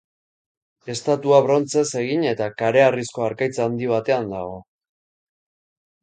Estatua brontzez egin eta kareharrizko harkaitz handi batean dago.